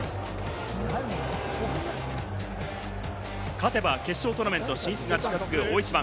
勝てば決勝トーナメント進出が近づく大一番。